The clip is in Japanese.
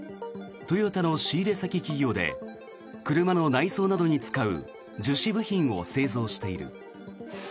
トヨタの仕入れ先企業で車の内装などに使う樹脂部品を製造している。